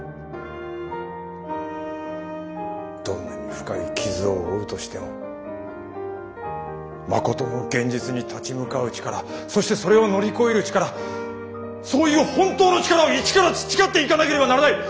どんなに深い傷を負うとしてもまことの現実に立ち向かう力そしてそれを乗り越える力そういう本当の力を一から培っていかなければならない。